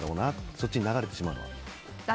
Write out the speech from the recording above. そっちに流れてしまう。